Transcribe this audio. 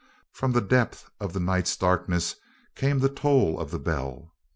From the depth of the night's darkness came the toll of the bell.